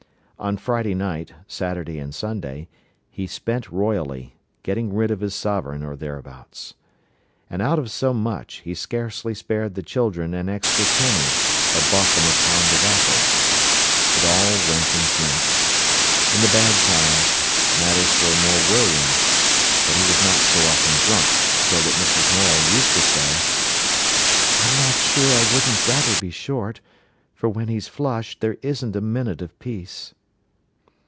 On Friday night, Saturday, and Sunday, he spent royally, getting rid of his sovereign or thereabouts. And out of so much, he scarcely spared the children an extra penny or bought them a pound of apples. It all went in drink. In the bad times, matters were more worrying, but he was not so often drunk, so that Mrs. Morel used to say: "I'm not sure I wouldn't rather be short, for when he's flush, there isn't a minute of peace."